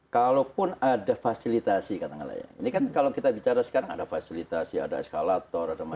kalaupun ada fasilitasi katakanlah ya ini kan kalau kita bicara sekarang ada fasilitasi ada eskalator ada macam macam